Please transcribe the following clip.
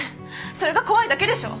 それが怖いだけでしょ？